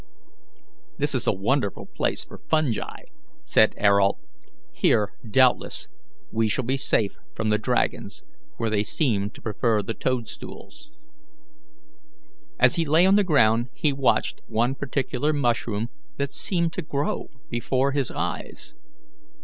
"This is a wonderful place for fungi," said Ayrault. "Here, doubtless, we shall be safe from the dragons, for they seemed to prefer the toadstools." As he lay on the ground he watched one particular mushroom that seemed to grow before his eyes.